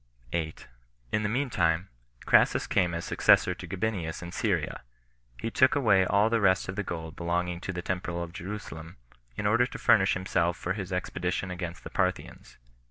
8. In the mean time, Crassus came as successor to Gabinius in Syria. He took away all the rest of the gold belonging to the temple of Jerusalem, in order to furnish himself for his expedition against the Parthians.